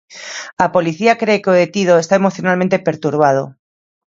A policía cre que o detido está emocionalmente perturbado.